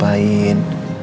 mama tadi ketemu nino